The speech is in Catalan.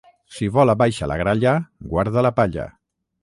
Si vola baixa la gralla, guarda la palla.